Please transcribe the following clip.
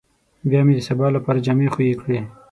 بيا مې د سبا لپاره جامې خويې کړې.